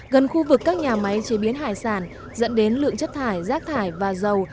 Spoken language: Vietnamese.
gần khu vực các nhà máy chế biến hải sản dẫn đến lượng chất thải rác thải và dầu